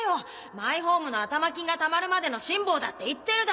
マイホームの頭金がたまるまでの辛抱だって言ってるだろ！